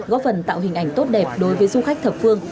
góp phần tạo hình ảnh tốt đẹp đối với du khách thập phương